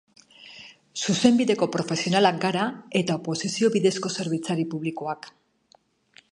Zuzenbideko profesionalak gara, eta oposizio bidezko zerbitzari publikoak.